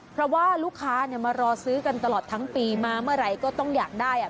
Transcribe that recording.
เพราะว่าลูกค้าเนี่ยมารอซื้อกันตลอดทั้งปีมาเมื่อไหร่ก็ต้องอยากได้อ่ะ